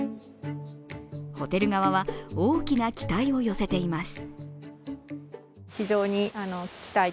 ホテル側は大きな期待を寄せています。